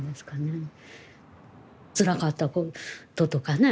つらかったこととかね。